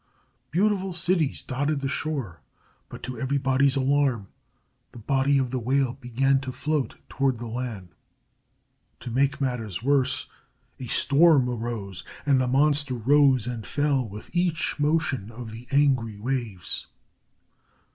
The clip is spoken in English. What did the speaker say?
Beautiful cities dotted the shore, but to everybody's alarm, the body of the whale began to float toward the land. To make matters worse, a storm arose, and the monster rose and fell with each motion of the angry waves.